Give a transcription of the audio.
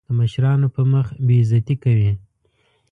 د مشرانو په مخ بې عزتي کوي.